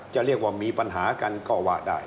จะเรียกว่ามีปัญหากันก็ว่าได้